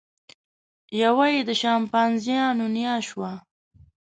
یوه یې د شامپانزیانو نیا شوه.